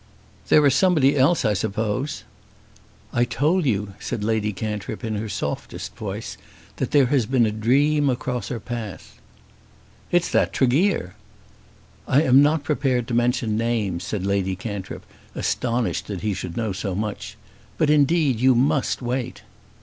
"There is somebody else I suppose." "I told you," said Lady Cantrip, in her softest voice, "that there has been a dream across her path." "It's that Tregear!" "I am not prepared to mention names," said Lady Cantrip, astonished that he should know so much. "But indeed you must wait."